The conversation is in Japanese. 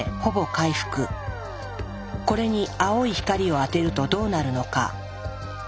これに青い光を当てるとどうなるのか。